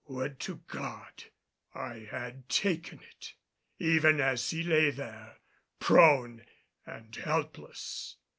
Would to God I had taken it, even as he lay there prone and helpless.